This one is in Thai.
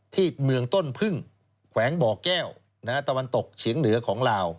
ที่เมืองต้นพึ่งแขวงบ่อแก้วตะวันตกเฉียงเหนือของลาว